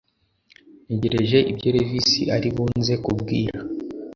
ntegereje ibyo levis aribunze kubwira